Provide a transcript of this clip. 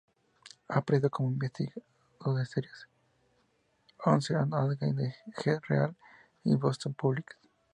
Ha aparecido como invitado las series "Once and Again", "Get Real", y "Boston Public".